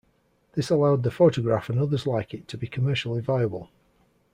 This allowed the photograph and others like it to be commercially viable.